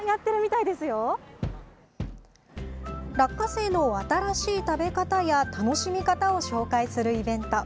落花生の新しい食べ方や楽しみ方を紹介するイベント。